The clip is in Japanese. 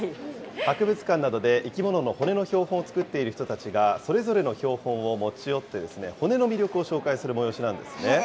博物館などで、生き物の骨の標本を作っている人たちが、それぞれの標本を持ち寄ってですね、骨の魅力を紹介する催しなんですね。